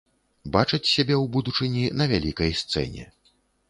Бачаць сябе ў будучыні на вялікай сцэне.